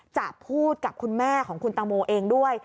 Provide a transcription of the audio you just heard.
จะพูดกับคุณแม่ของคุณตังโมเองด้วย